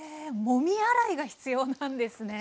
もみ洗いが必要なんですね。